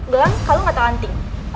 gak kamu gak tau anting